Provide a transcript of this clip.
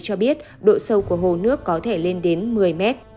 cho biết độ sâu của hồ nước có thể lên đến một mươi mét